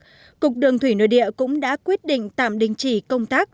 bộ trưởng bộ giao thông vận tài nguyễn văn thể cũng đã quyết định tạm đình chỉ công tác